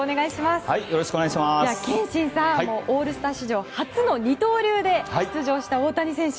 憲伸さんオールスター史上初の二刀流で出場した大谷選手。